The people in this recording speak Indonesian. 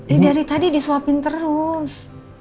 ini dari tadi disuapin terus